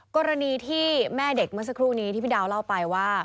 กรณีที่แม่เด็กเมื่อสักครู่นี้ที่พี่ดาวเล่าไปว่า